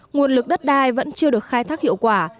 nguồn lực đất đai vẫn chưa được khai thác hiệu quả